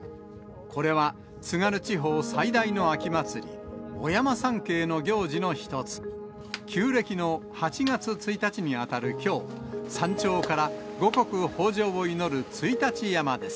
これは、津軽地方最大の秋祭り、お山参詣の行事の一つ、旧暦の８月１日に当たるきょう、山頂から五穀豊穣を祈る朔日山です。